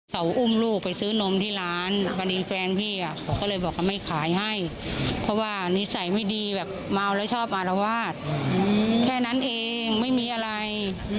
เขาอุ้มลูกไปซื้อนมที่ร้านพอดีแฟนพี่อ่ะเขาก็เลยบอกว่าไม่ขายให้เพราะว่านิสัยไม่ดีแบบเมาแล้วชอบอารวาสแค่นั้นเองไม่มีอะไร